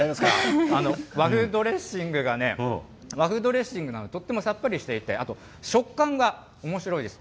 和風ドレッシングがね、和風ドレッシングがとってもさっぱりしていて、あと食感がおもしろいです。